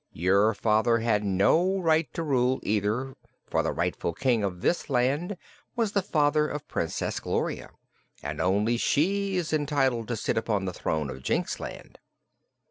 "Your father had no right to rule, either, for the rightful King of this land was the father of Princess Gloria, and only she is entitled to sit upon the throne of Jinxland."